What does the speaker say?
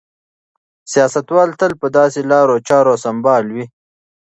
سیاستوال تل په داسې لارو چارو سمبال وي.